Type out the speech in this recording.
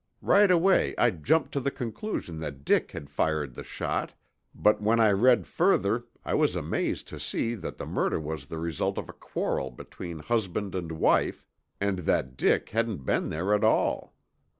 Right away I jumped to the conclusion that Dick had fired the shot, but when I read further I was amazed to see that the murder was the result of a quarrel between husband and wife and that Dick hadn't been there at all.